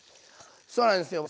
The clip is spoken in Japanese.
そうなんですよ。